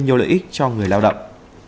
nhiều lợi ích cho người lao động